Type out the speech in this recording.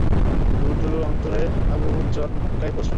দুরুদুরু অন্তরে Abu Zar মক্কায় পৌঁছলেন।